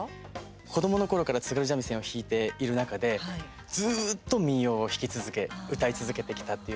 子どものころから津軽三味線を弾いている中でずっと民謡を弾き続け歌い続けてきたという